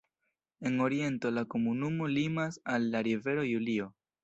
En oriento la komunumo limas al la rivero Julio.